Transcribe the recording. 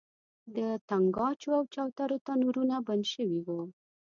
د تنګاچو او چوترو تنورونه بند شوي وو.